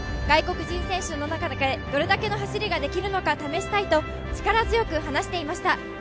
外国人選手の中でどれだけの走りができるのか試したいと力強く話していました。